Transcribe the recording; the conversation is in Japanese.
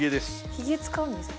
ひげ使うんですか？